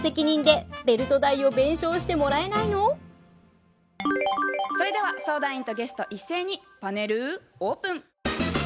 店の責任でそれでは相談員とゲスト一斉にパネルオープン。